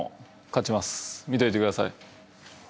見といてください